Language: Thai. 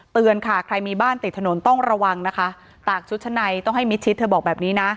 เตือนค่ะใครมีบ้านติดถนนต้องระวังนะคะตากชุดชะในต้องให้มิดชิดเธอบอกแบบนี้นะ